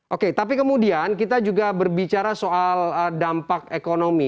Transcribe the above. oke tapi kemudian kita juga berbicara soal dampak ekonomi